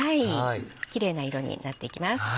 キレイな色になっていきます。